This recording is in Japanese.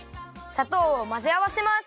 さとうをまぜあわせます。